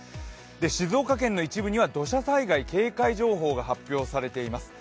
静岡県の一部には土砂災害警戒情報が発表されています。